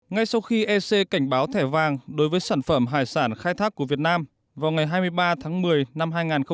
ngay sau khi ec cảnh báo thẻ vàng đối với sản phẩm hải sản khai thác của việt nam vào ngày hai mươi ba tháng một mươi năm hai nghìn một mươi chín